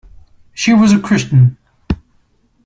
She was a Christian.